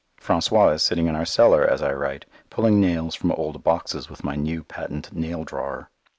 François is sitting in our cellar as I write pulling nails from old boxes with my new patent nail drawer.